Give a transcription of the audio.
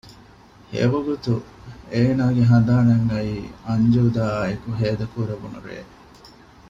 އެވަގުތު އޭނާގެ ހަނދާނަށް އައީ އަންޖޫދާ އާއެކު ހޭދަކުރެވުނު ރޭ